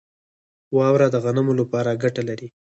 واوره د غنمو لپاره ګټه لري.